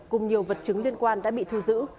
cùng nhiều vật chứng liên quan đã bị thu giữ